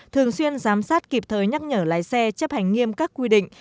thường xuyên giám sát kịp thời nhắc nhở lái xe chấp hành nghiêm các quy định